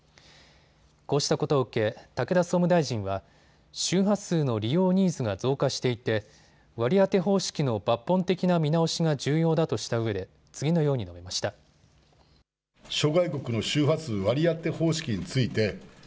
こうしたことを受け武田総務大臣は周波数の利用ニーズが増加していて割り当て方式の抜本的な見直しが重要だとしたうえで次のように述べました。